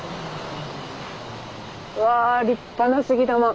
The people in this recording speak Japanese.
うわあ立派な杉玉。